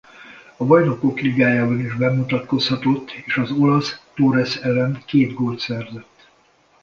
A Bajnokok Ligájában is bemutatkozhatott és az olasz Torres ellen két gólt szerzett.